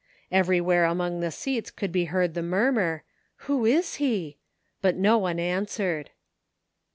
Everywhere among the seats could be heard the murmur: " Who is he? " bujt no one answered.